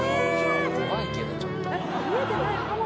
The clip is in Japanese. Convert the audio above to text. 怖いけど、ちょっと。